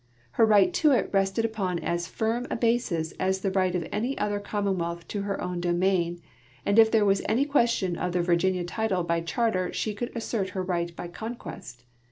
Her right to it rested upon as firm a basis as the right of any other commonwealth to her own domain, and if there was any question of the Virginia title by charter she could assert her right b}' conquest.